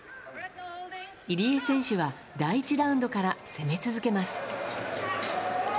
入江選手は第１ラウンドから攻め続けます。